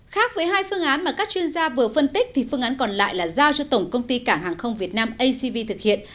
khác với hai phương án mà các chuyên gia vừa phân tích thì phương án còn lại là giao cho tổng công ty cảng hàng không việt nam acv thực hiện